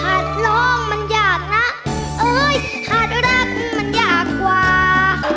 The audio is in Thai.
หัดรองมันยากนะเอ้ยหัดรักมันยากกว่า